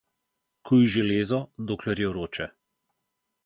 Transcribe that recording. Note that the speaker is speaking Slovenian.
Kuj železo, dokler je vroče.